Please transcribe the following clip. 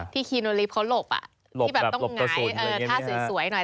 คีโนลิฟต์เขาหลบที่แบบต้องหงายท่าสวยหน่อย